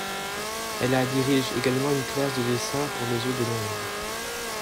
Elle a dirige également une classe de dessin pour le Zoo de Londres.